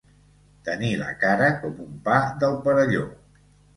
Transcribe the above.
Tenir la cara com un pa del Perelló.